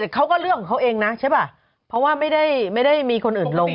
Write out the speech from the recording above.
เขาก็เรื่องของเขาเองนะใช่ป่ะเพราะว่าไม่ได้มีคนอื่นลง